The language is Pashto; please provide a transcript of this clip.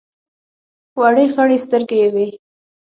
وړې خړې سترګې یې وې.